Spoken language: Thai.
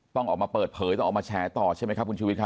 ต้องออกมาเปิดเผยต้องออกมาแฉต่อใช่ไหมครับคุณชุวิตครับ